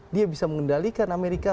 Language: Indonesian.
dia bisa mengendalikan amerika